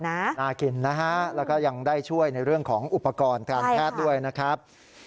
น่ากินนะฮะแล้วก็ยังได้ช่วยในเรื่องของอุปกรณ์การแพทย์ด้วยนะครับ